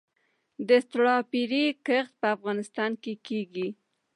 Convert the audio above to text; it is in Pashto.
د سټرابیري کښت په افغانستان کې کیږي؟